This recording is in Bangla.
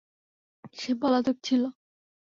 সে পলাতক ছিল।